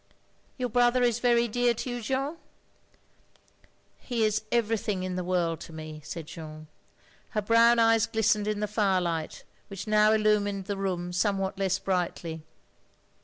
"Your brother is very dear to you, Jeanne?" "He is everything in the world to me," said Jeanne. Her brown eyes glistened in the firelight, which now illtmiined the room somewhat less brightly.